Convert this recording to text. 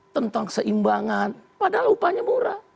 tentang keseimbangan padahal upahnya murah